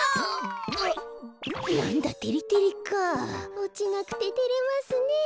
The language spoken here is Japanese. おちなくててれますねえ。